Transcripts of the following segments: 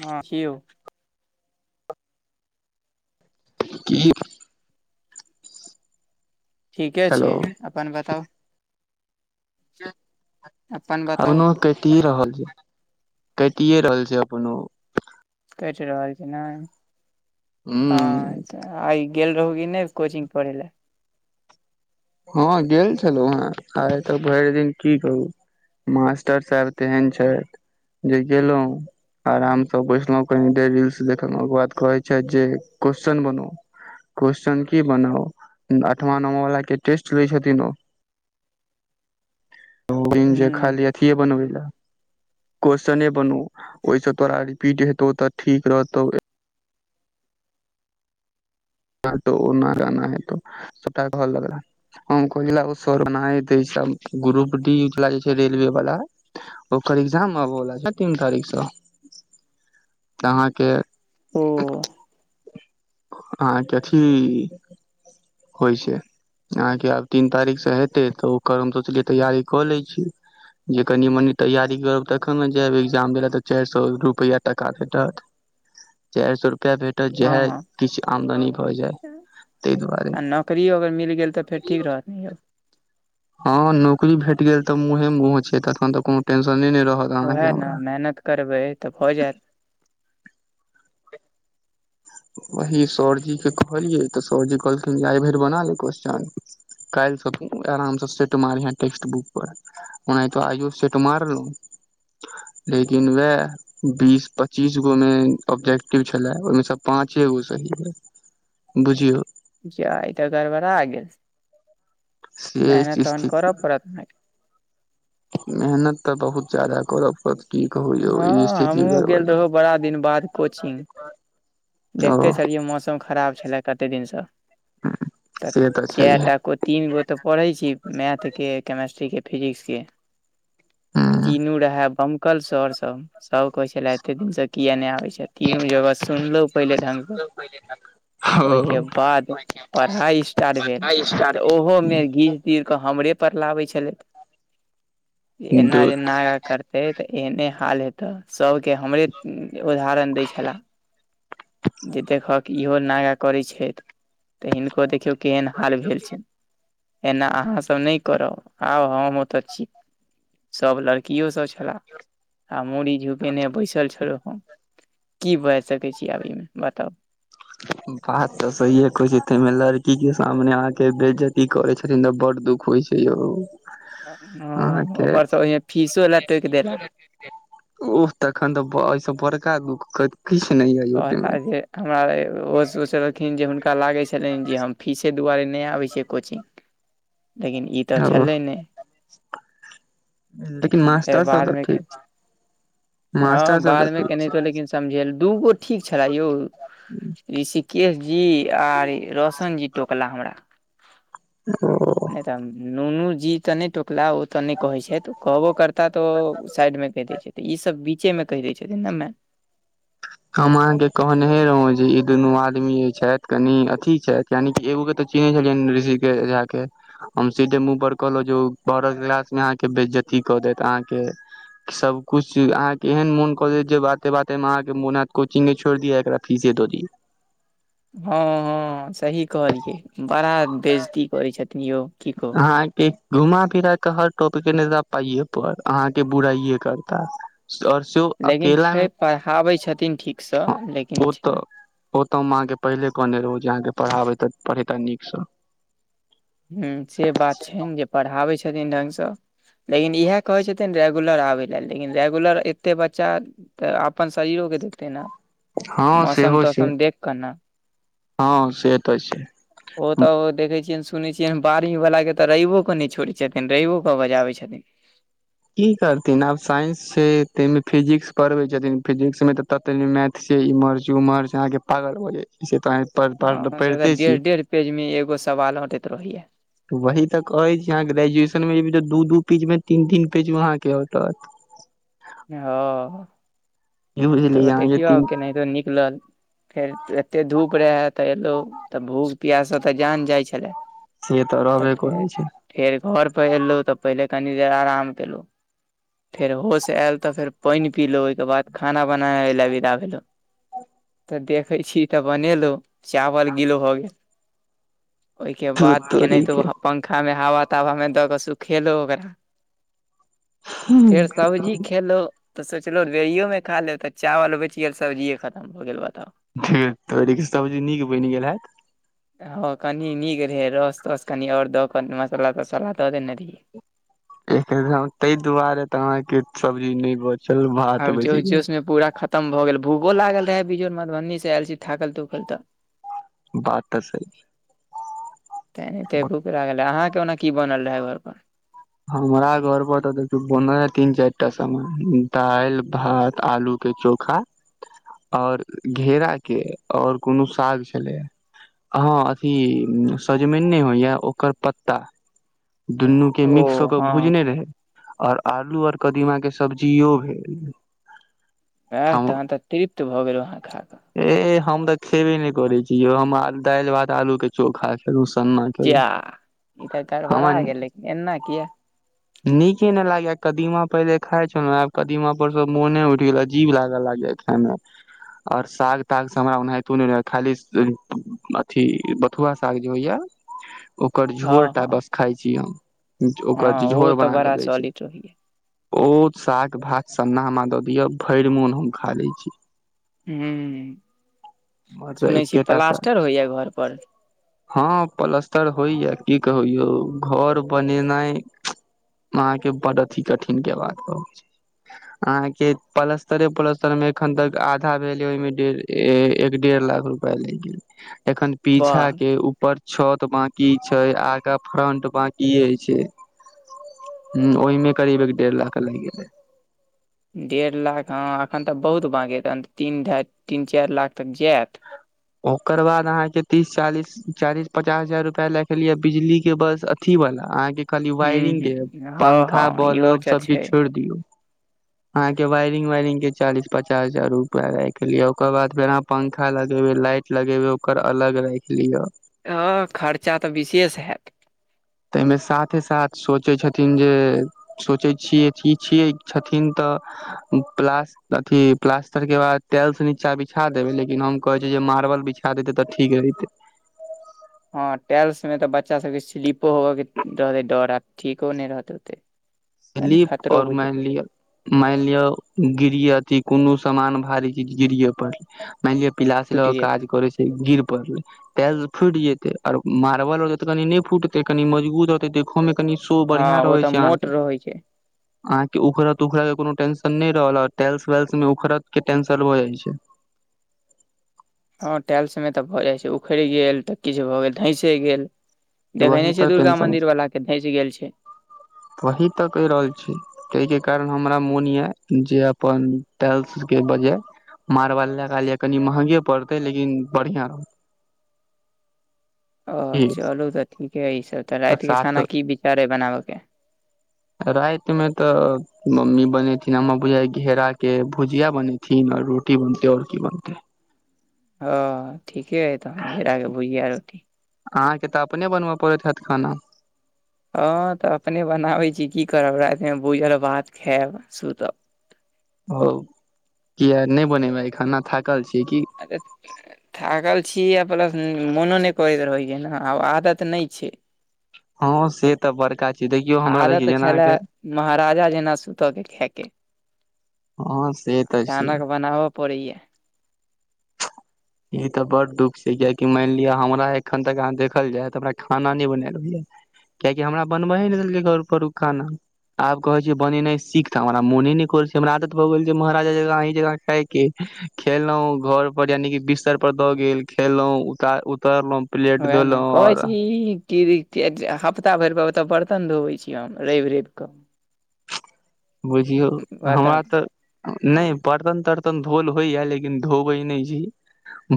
हाँ छी यौ। कि ठीके हेलो छैय अपन बताउ। अपन बताउ [unintelligible] की रहल छै कटिये रहल छैय अपनो। कटि रहल छै नहि हूँ हाँ तऽ आइ गेल रहौं की नहि कोचिंग पढ़ैलए? हॅं गेल छलहुँ हेँ आइ तऽ भरि दिन की कहुँ मास्टर साहेब तेहन छथि जे गेलहुँ आराम स बैसलहुँ कनि देर रील्स देखलहुँ ओकर बाद कहे छैथ जे क्वेश्चन बनो क्वेश्चन की बनाउ आठवां, नवां वला के टेस्ट लै छथिन ओ ओ [unintelligible] जे हूँ खाली अथीये बनबै लै क्वेस्चने बनो ओहिस तोरा रिपीट हेतौ तऽ ठीक रहतौ ह तो ओ ना गाना हेतौ सबटा कह लगला। हम [unintelligible] ग्रुप डी वाला जे छैय रेलवे वला ओकर एजाम आब होब बला छैय तीन तारीख सऽ तऽ अहाँके ओ अहाँके अथी होइ छैय अहाँके आब तीन तारीख से हेतै तऽ ओकर हम सोचलियै तैयारी कऽ लै छी। जे कनि मनी तैयारी करब तखन ने जैब एग्जाम दैला त चारि सौ रुपैया टका भेटत। चारि सए रुपया भेट तऽ हँ जेहे हँ किछु आमदनी भऽ जाय तहि दुआरे करियौ अगर मिल गेल तऽ फेर ठीक रहत नहि यौ। हाँ नौकरी भेट गेल तऽ मुंहे मुह छैय तखन तऽ कुनु टेंशने नहि रहत। अहाँके उएह न हमरा मेहनत करबै तऽ भऽ जायत। वही सरजी के कहलियै तऽ सरजी कहलखिन जे आइ भरि बना ले क्वेेश्चन काल्हिसँ तूं आरामसँ सेट मारिहैं टेक्स्ट बुक पर। ओनहितो आइयो सेट मारलौं। लेकिन वएह बीस पच्चीसगो मे ऑब्जेक्टिव छलै ओहिमे स पाँचेगो सही भेल बुझियौ। जा ईतऽ गड़बड़ा आ गेल से मेहनत अछि तहन स्थिति करऽ पड़त भाइ। मेहनत तऽ बहुत ज्यादा करऽ पड़त की कहू यौ ई हँ स्थिति हमहुँ गड़बड़ गेल यै। रहौ बड़ा दिन बाद कोचिंग देखते छलियै मौसम खराब छलै कते दिनसँ तऽ से चे छैहे टा तीन गो तऽ पढ़ै छीय मैथके, केमेस्ट्रीके, फिजिक्सके हूँ तीनू रहे बमकल सर सब कहे छले एते दिन से किया नहि आबे छीय तिनो जगह सुनलो पहिले ढंग स ओहिके ओ बाद पढ़ाई स्टार्ट भेल त ओहोमे घीच तीर क हमरे पर लबै छलेथ ऐना दू जे नागा करते तऽ एने हाल हेतै तऽ सँभके हमरे उदाहरण दै छलाह जे देखहक इहो नागा करै छैथ तऽ हिनको देखियौ केहन हाल भेल छैय। एना अहाँ सब नहि करब आउ हम ओतऽ छी। सब लड़कियो सब छला हम मूड़ी झुकेने बैसल छलो हन की बाइज सकै छी आब ई मे बताउ बात तऽ सहिये कहै छै, ते मे लड़की के सामने अहा के बेजती करे छथिन तऽ बड़ दुख होइ छै, यौउ ह, ऊपर से ओहिमे फीसो ला टोकि देला ओह तखन तऽ बऽ अए स बड़का दुःख किछ नहि यौ ओते कहला मे जे हमरा ओहो सोचलखिन जे हुनका लागे छलनि जे हम फीसे दुवारे नहि आबै छै कोचिंग, लेकिन ई तऽ छलै नहि लेकिन फेर मास्टर सब तऽ बादमे के ठीक मास्टर हँ, सब तऽ बादमे ठीक केनातो लेकिन समझेल दूगो ठीक छलै यौ ऋषिकेश जी आर रोशन जी टोकला हमरा छै ओ नहि तऽ नुनू जी तऽने टोकला ओ तऽ नहि कहे छैथ, कहबो करता तऽ ओ साइड में क देे छैथ, ई सब बीचे मे कहि दै छथिन ने मै हम अहाँके कहनेहे रहौं जे ई दुनू आदमी छथि कनि अथी छथि यानि कि एगो के तऽ चिन्है छलियैन ऋषि के झा के हम सीधे मुह पर कहलहु जे बह गिलास मे अहाँके बेइज्जती क देत अहाँके सब कुछ अहाँ के एहन मोन क दे जे बाते बाते मेह मोन हेत कोचिंगे छोइर दिय एकरा फीसे द दियै। हँ हँ, सही कहलियै बड़ा बेजती करै छथिन यौ। की कहू अहा के घुमा फिरा के हर टॉपिक के नज पाइए परड़ अहाँके बुराइे करता सोर सेहो लेकिन अकेला मे छै, पढ़ाबै छथिन ठीकसँ लेकिन छै। ओतऽ हम अहाँके पहिले कहने रहौ जे अहाँके पढ़ाबे त पढ़ेता नीकसँ। हु से बात छैन जे पढ़ाबै छथिन ढंगसँ। लेकिन इहे कहै छथिन रेगुलर आबय ले लेकिन रेगुलर एतेक बच्चा तऽ अपन शरीरोे के देखते ने। हँ मौसम सेहो छै तौसम देख कऽ न। हँ से तऽ छै ओ तऽ देखै छियेन। सुनै छियैनि बारीवला के तऽ रइवो कऽ नहि छोड़ै छथिन रविओ कऽ बजाबै छथिन की करथिन आब साइंस छै तमे फिजिक्स पढ़बे छथिन फिजिक्स मे त मै से इमहर छै उमहर छै अहाँके पागल हो जा तऽ अहा पड़ पड़ हँ से तऽ पढ़िते डेढ़ छी। डेढ़ पेज में एगो सवाल अंंटैत रहैये। वही तऽ कहै छी अहाँ ग्रेजुएशन मे जेबय तऽ दू -दू पीज मे तीन -तीन पेज में अहाँं के अटत। हऽ। की तब बुझलियै अहाँके देखियौ आब तीन केनाहितो निकलल। फेर एते धूप रहै तऽ एलो तऽ भूख पियास स तऽ जान जाइ छलै। से तऽ रहबे करै छै। फेर घर पर हेलो तऽ पहिले कनी देर अराम केलो। फेर होस ऐल तऽ फेर पाइन पीलो ओय के बाद खाना बनाबे लए विदा भेलहु तऽ देखै छी तऽ बनेलो- चावल गिल्ल भऽ गेल, ओय के धुर बाद तोरी केनाहितो के ह- पंखा मे हवा तावा में दऽ क सुखेलो ओकरा फेर सबजी खेलो तऽ सोचलो बेरियो मे खा लेब तऽ चावल बइच गेल सब्जिए खतम भ गेल बताउ। [unintelligible] तोरी के, सबजी नीक बइन गेल हैत। हँ, कनी नीक रहे रस तस कनि आओर दऽ क मसाला तसाला दऽ देने रहियै। एकरे- तय दुआरे त अहां के सबजी नइ बच आब जोश जोश मे पूरा खतम भऽ गेल भूखो लागल रहय बिचमें मधुबन्नी से ऐल छी थाकल थुकल तऽ बात तऽ सही तें एतेक भुख लागल रैए। अहाँके ओना की बनल रहै घर पर? हमरा घर पर तऽ देखयो बनैयैए तीन- चाइटा सामान दाइल, भात, आलू- के चोखा और घेरा के और कुनू साग छलैयैए। हं अथी सजमैन नइ होइया ओकर पत्ता। दुन्नू के मिक्स क ओ के हँ भुजने रहैय और आलू और कदीमा के सबजीयो भेल। ऐहऽ तहन तऽ तृप्त भऽ गेलउं अहाँ खाकऽ। एह हम तऽ खेबे ने करै छी यौ हम आ-दाइल, भात, आलू के चोखा उ सन्ना खेलहुँ जाऽ इ तऽ हमरा गरबरा गेलै। एनाकियैए? नीके ने लागैयेए कदीमा पहिले खाय छलौं, आब कदीमा पर स मोने उइठ गेलय, अजीब लाग लागैयेए। एना और साग-ताग से हमरा ओनाहितो नै रहैयेए खाली [unintelligible] अथी बथुआ साग जे होइया ओकर झोर हँ टा हँ बस खाइ छी हम। ओकर हँ ओ झोर तऽ बनाके बड़ा दै छै। सॉलिड रहैया ओ साग भात सन्ना हम दऽ दियअ भइर मोन हम खा लैय छी। हूॅं- हमर तऽ सुनै छी, एकेटा प्लास्टर होइया घर पर हं प्लस्तर होइया। की कहू यौ घर बनेनाइ अहाँ के बड्ड अथी कठिन के बात कह [unintelligible] अहाँके पलस्तरे पलस्तरे में एखन तक आधा भेलय ओय मे डेढ़ ए -एक डेढ़ लाख रुपया लाइग गेल, एखन पीछा वाह के ऊपर छत बांकी छै, आगा फ्रंट बांकीये छै। हूॅं ओय में करीब एक डेढ़ लाख लाइग गेलय। डेढ़ लाख हाॅं एखन तऽ बहुत भाँगेत एखन त तीन ढाई तीन चाइर लाख तक जैत। ओकर बाद अहाँके तीस चालीस, चालीस पचास हजार रुपया राइख लिय बिजली के बस थी बला अहाँके खाली हूँ वायरिंग के, हूँ हँ पंखा हँ इहो बलब तऽ सब चीज छै छोइड़ दियौ। अहाॅं के वायरिंग-वायरिंग के चालीस पचास हजार रूपआ राइख लिय। ओकर बाद फेर अहाॅं पंखा लग ओयमे लाइट लगेबे ओकर अलग राइख लिय। हँ खर्चा तऽ विशेष हेएत। तैयमे साथे -साथ सोचेै छथिन जे सोचै छियै छी- छियै छथिन तऽ प्लास। अथी प्लास्तर के बाद टेल्स से नीचा बिछा देबै लेकिन हम कहै छै, जे मारबल बिछा देते तऽ ठीक रहितै। हँ टेल्स में तऽ बच्चा सबके स्लिपो होबऽ के डरे-डर आ ठीको नै रहत ओते। कनि स्लिप खतरो और बुझ माइन लिअ। माइन लिअ गिरि अथी कोनो समान भारी गिरिये पड़लै मानि लिअ। पिलासे लऽ फुटि के जेतै काज करे छै गिर पड़लेै। टेल्स फुइट जेतै ओर मारबल रहतै तऽ कनि नै फूटतै कनी मजबूत रहतै तऽ। खो मे कनि शो बढ़िया हँ ओ रहै तऽ छै आहाँ मोट के। रहै छै आहाँ के उखड़त-उखड़त के कोनो टेंशन नै रहल टेल्स-वेल्स मे उखड़ऽ के टेंशन भऽ जाय छै। हँ टाइल्स सब मे तऽ भऽ जाय छै उखैड़ गेल तऽ किछ भऽ गेल धैसे गेल। देखेैने वही छियै तऽ दुर्गा टेंशन मन्दिर बलाके धइस गेल छै। [unintelligible] तऽ कैह रहल छी। तैयके कारण हमरा मोन या जे अपन टाल्सके बजाय। मार्बल लगाए लिअ कनि महंगे पड़तै लेकिन बढ़िआँ रहत। ओह की चलू तऽ ठीके है ई सब तऽ रैतिके साथ खाना की विचार हय बनाबऽ के। राइत मे तऽ मम्मी बनेथिन हमा बुझाय घेरा के भुजिया बने। थीन रोटी बनतै और की बनतेै। ओ ठीके अइ तहन घेरा के भुझया रोटी। आहाँके तऽ अपने बनबैऽ पड़ैत हेएत खाना। हँ तऽ अपने बनाबै छी की करब रा एखन भूझल भात खेएब सुतब। भौह किया नै बनेबेै आय खाना थाकल छियेै की। अेरे [unintelligible] थाकल छीयै आ प्लस मोनो नै करैत रहै छै न आब आदत नै छै। हँ से तऽ बड़का छी देखियौ हमरा देख आदत जेना आहाँ छले के महाराजा जेना सुतऽ के खए के हँ से तऽ छै अचानक बनाबअ। पड़ैया। ई तऽ बड़ दुख छै कियेकि माइन लिअ हमरा एखन तक अहाँ देखल जाय है त हमरा खाना नइ बनेल अबैया। कियेकि हमरा बनबहे नै देलकै घर पर उ खाना। आब कहेै छै बनेनाइ सीख तऽ हमरा मोने नै कर छै हमरा आदत भऽ गेल छै महाराजा जेका अहिं जका खाय के। खेलहुॅं घर पर यानि बिस्तर पर दऽ गेल खेलौ उता-उतारलौ। प्लेट धोलौ और टीबी तेज हप्ता भैरपर ओतऽ बर्तन धोबै छी हम रैब- रैब कऽ। बुझियौ हमरा बताउ तऽ। नैय बर्तन -तर्तन धोल होयया लेकिन धोबै नै छी।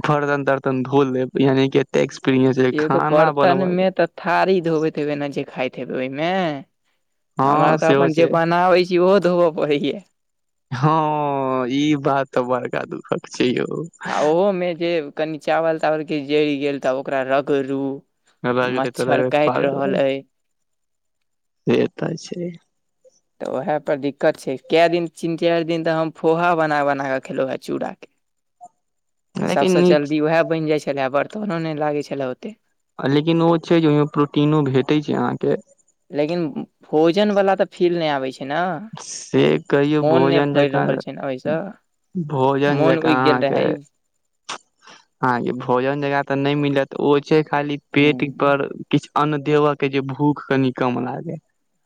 बरतन- तरतन धो लेब यानि कि ऐतेक एक्सपीरियंस ऐ यौ तऽ खाना बनब बर्तन मे तऽ थारी धोबैत हेबै ने जे खाइत हेबै ओयमे। हमरा हँ तऽ सेहो अपन जे छै बनाबै छी ओहो धोबऽ पड़ैया। हँ ई बात तऽ बड़का दुखक छै यौ। आ ओहोमे जे कनि चावल -तावल किछ जइर गेल तऽ ओकरा रगड़ू। रगड़ैत मच्छर रगड़ैत काइट रहल पागल ऐ। से तऽ छैय। तऽ उएह तऽ दिक्कत छै कए दिन तीन चैर दिन तऽ हम फोहा बना बना कऽ खेलौ हेँ चूड़ा के। अ सभस जल्दी उएह बनि जाइत छलै बर्तनो नहि लागै छलै ओते। लेकिन ओ छै जे ओहिमे प्रोटीनो भेटैय छै अहाँके। लेकिन भोजन वाला तऽ फील नइ आबै छै ना। से कहियौ भोजन जका रहल छै ने ओहिसँ भोजन मोन जकाँ उगि गेल अहाँके रहै आहाके भोजन जका तऽ नहि मिलत ओ छै खाली पेट हूँ। पर किछु अन्न देवऽ के जे भूख कनि कम लागे।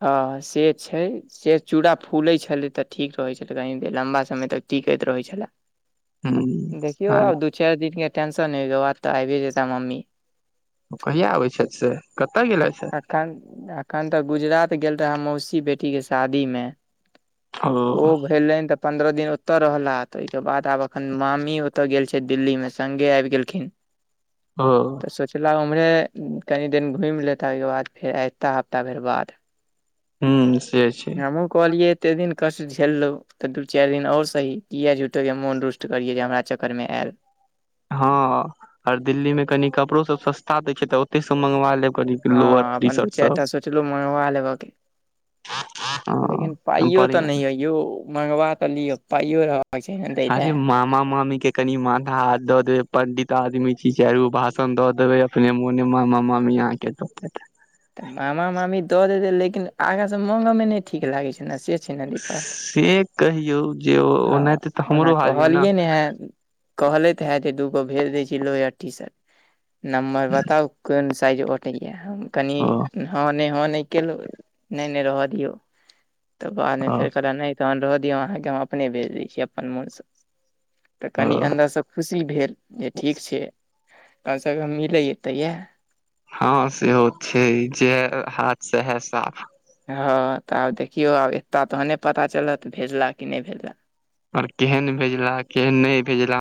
ह से छै। से चूड़ा फूलैइ छलै तऽ ठीक रहै छलै कनि देर लम्बा समय तक टिकैत रहैइ छलै। हूँ देखियौ हँ आब दू चारि दिन के टेंसन ऐ ओकर बाद त आइबे जेता मम्मी। ओ कहिया आबैत् छैथ से? कतऽ गेलैथ हा? अखन अखन तऽ गुजरात गेल रहै मौसी बेटीके शादीमे। ओ भेलैन त पन्द्रह दिन ओतय रहला तइ के बाद आब अखन मामी ओतय गेल छै दिल्लीमे संगे आबि गेलखिन। ओ। सोचलह ओम्हरे कनि दिन घुमि लेता ओहिके बाद फेर अएता हफ्ता भैर बाद। हूँ से छै। हमहु कहलिये एते दिन कष्स झेललऊ तऽ दू चारि दिन और सही किएक झूठे के मोन रुष्ट करियै जे हमरा चक्करमे आयल। हँ आर दिल्ली में कनि कपड़ो सब सस्ता दय छै तऽ ओते सब मंगवा लेब कनि लोअर हँ टी अपन दू शर्ट चारि सब टा सोचलहु मंगवा लेब के लेकिन हँ पाइयो तऽ बढ़िया नइ ऐ यो मंगबा तऽ लिय पाइयो रहबाक चाही ने। दै लए अरे मामा मामी के कनि माथा हाथ दऽ देबै पंडित आदमी छी चारि गो भाषण द देबे अपने मोने मामा मामी अहाँके द देता। तऽ मामा मामी दऽ देतै लेकिन आगासँ मांगयमे नहि ठीक लागै छै ने से छै ने दिक्कत। से कहियौ जे हँ ओनाहिते तऽ हमरो हाल यऽ ना। कहलैथ है जे दूगो भेज देय छी लोयर टी शर्ट नम्बर बताउ कोन साइज अ टैया हम कनि ओ हँ नहि हँ नहि केलहुँ नहि ने रहऽ दियौ तऽ बादमे ओ फेर कहलक नहि तह रह दियौ अहाँके हम अपने भेज दै छी अपन मोनसँ। तऽ कनी ओ अन्दरसँ खुशी भेल जे ठीक छै कम स कम मिलैए या तऽ या। हँ सेहो छै जेहा हाथ सेहा साफ। हँ तऽ आब देखियौ आब एता तहने पता चलत भेजला कि नहि भेजला। और केहन भेजलाह केहन नहि भेजलाह